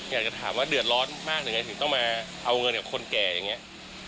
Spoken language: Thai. อยากจะถามว่าเดือดร้อนมากหรือไงถึงต้องมาเอาเงินกับคนแก่อย่างนี้